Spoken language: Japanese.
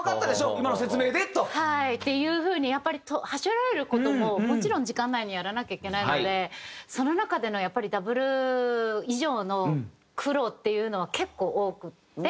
今の説明でと。っていう風にやっぱり端折られる事ももちろん時間内にやらなきゃいけないのでその中でのやっぱりＷ以上の苦労っていうのは結構多くて。